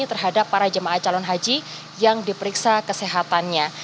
terhadap para jemaah calon haji yang diperiksa kesehatannya